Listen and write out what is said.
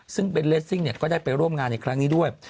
ซึ่งเบนเลสซิ่งก็ได้ไปร่วมงานในครั้งนี้ด้วย